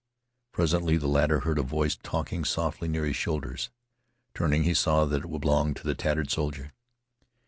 Presently the latter heard a voice talking softly near his shoulders. Turning he saw that it belonged to the tattered soldier.